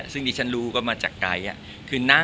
ซึ่งดิฉันรู้มาจากไกเก้